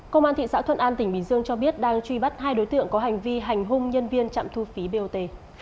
công an thị xã thuận an tỉnh bình dương cho biết đang truy bắt hai đối tượng có hành vi hành hung nhân viên trạm thu phí bot